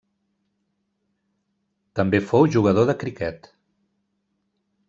També fou jugador de criquet.